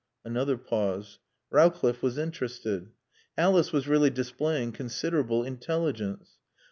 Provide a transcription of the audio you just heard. Another pause. Rowcliffe was interested. Alice was really displaying considerable intelligence.